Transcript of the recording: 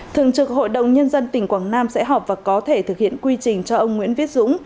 thường trực hội đồng nhân dân tỉnh quảng nam sẽ họp và có thể thực hiện quy trình cho ông nguyễn viết dũng